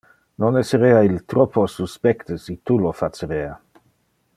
Non esserea il troppo suspecte si tu lo facerea?